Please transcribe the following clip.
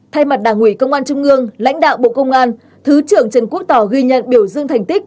thay mặt đảng ủy công an trung ương lãnh đạo bộ công an thứ trưởng trần quốc tỏ ghi nhận biểu dương thành tích